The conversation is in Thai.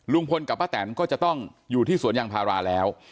ลุงพลกับป้าแตนก็จะต้องอยู่ที่สวนยางพาราแล้ว